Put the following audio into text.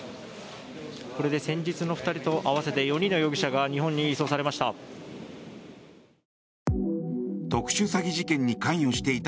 これで先日の２人と合わせて４人の容疑者が日本に移送されました。